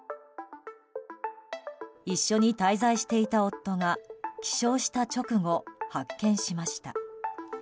一緒に滞在していた夫が起床した直後、発見しました。